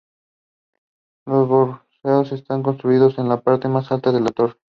Los balcones están construidos en la parte más alta de la torre.